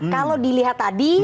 kalau dilihat tadi